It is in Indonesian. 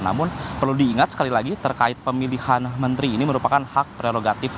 namun perlu diingat sekali lagi terkait pemilihan menteri ini merupakan hak prerogatif